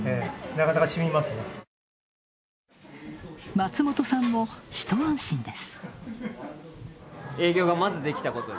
松本さんも一安心です。